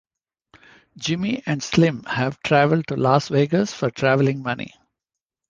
Jimmy and Slim have traveled to Las Vegas for traveling money.